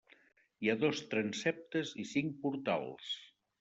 Hi ha dos transseptes i cinc portals.